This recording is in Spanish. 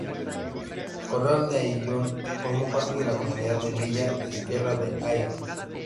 Corral de Ayllón formó parte de la Comunidad de Villa y Tierra de Ayllón.